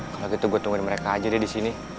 kalau gitu gue tungguin mereka aja deh disini